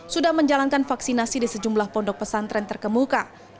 sudah menjalankan vaksinasi di sejumlah pondok pesantren terkemuka